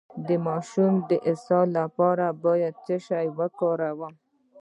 د ماشوم د اسهال لپاره باید څه شی وکاروم؟